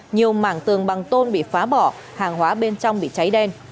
nhiều mảng tường bằng tôn bị phá bỏ hàng hóa bên trong bị cháy đen